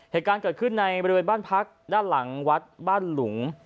เหตุการณ์เกิดขึ้นในบริเวณบ้านพักด้านหลังวัดบ้านหลุง